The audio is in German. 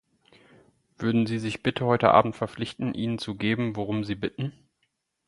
Würden Sie sich bitte heute Abend verpflichten, ihnen zu geben, worum sie bitten?